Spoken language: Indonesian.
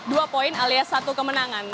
dua poin alias satu kemenangan